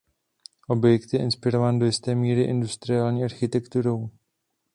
Objekt je inspirován do jisté míry industriální architekturou.